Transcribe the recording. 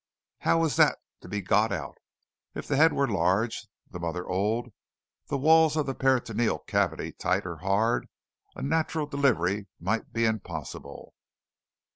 How was that to be got out? If the head were large, the mother old, the walls of the peritoneal cavity tight or hard, a natural delivery might be impossible.